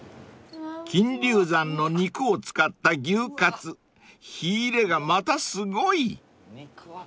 ［金竜山の肉を使った牛かつ火入れがまたすごい］肉厚。